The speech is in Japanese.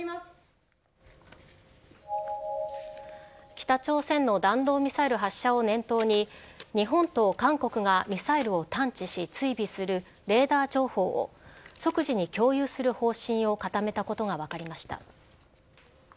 北朝鮮の弾道ミサイル発射を念頭に、日本と韓国がミサイルを探知し追尾するレーダー情報を、即時に共有する方針を固めたことが分かりました。